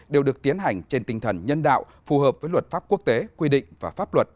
đều được tiến hành trên tinh thần nhân đạo phù hợp với luật pháp quốc tế quy định và pháp luật